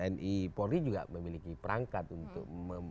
tni polri juga memiliki perangkat untuk